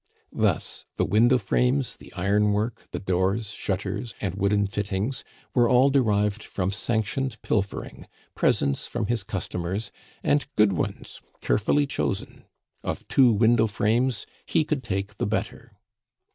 Thus the window frames, the iron work, the doors, shutters, and wooden fittings were all derived from sanctioned pilfering, presents from his customers, and good ones, carefully chosen. Of two window frames, he could take the better.